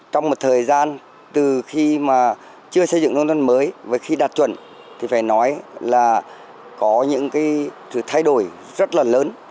trong một thời gian từ khi mà chưa xây dựng nông thôn mới và khi đạt chuẩn thì phải nói là có những cái sự thay đổi rất là lớn